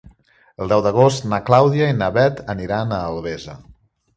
El deu d'agost na Clàudia i na Bet aniran a Albesa.